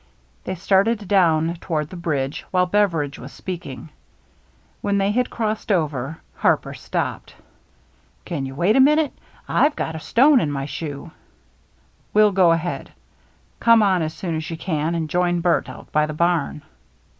They started down toward the bridge while Beveridge was speaking. When they had crossed over. Harper stopped. " Can you wait just a minute ? Tve got a stone in my shoe." " We'll go ahead. Come on as soon as you can and join Bert out by the barn."